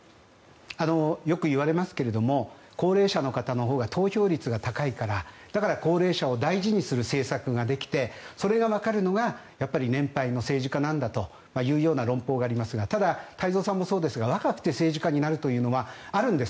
よく言われますが高齢者の方のほうが投票率が高いからだから、高齢者を大事にする政策ができてそれがわかるのがやっぱり年配の政治家なんだという論法がありますが太蔵さんもそうですが若くて政治家になるというのはあるんです。